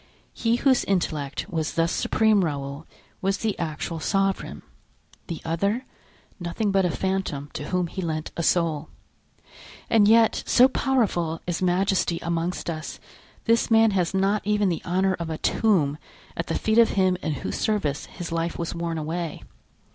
He whose intellect was thus supreme, Raoul, was the actual sovereign; the other, nothing but a phantom to whom he lent a soul; and yet, so powerful is majesty amongst us, this man has not even the honor of a tomb at the feet of him in whose service his life was worn away.